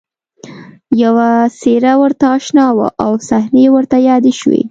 یوه څېره ورته اشنا وه او صحنې ورته یادې شوې